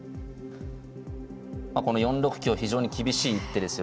この４六香非常に厳しい一手ですよね。